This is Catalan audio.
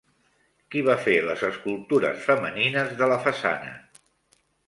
Qui va fer les escultures femenines de la façana?